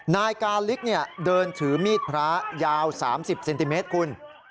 นายกาลิกเดินถือมีดพระยาว๓๐เซนติเมตรคุณ